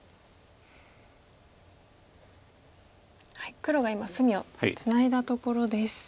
黒が今隅をツナいだところです。